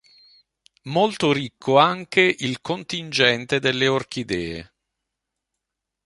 Molto ricco anche il contingente delle orchidee.